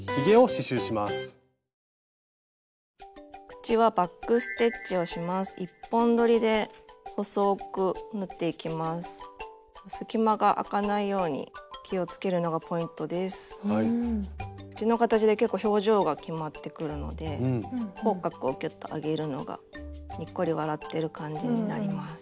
口の形で結構表情が決まってくるので口角をギュッと上げるのがにっこり笑ってる感じになります。